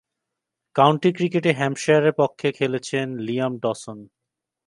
County ক্রিকেটে হ্যাম্পশায়ারের পক্ষে খেলছেন লিয়াম ডসন।